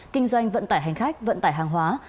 kinh doanh vận tải hành khách vận tải hàng hóa